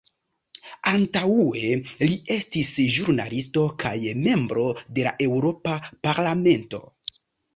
Antaŭe li estis ĵurnalisto kaj membro de la Eŭropa Parlamento.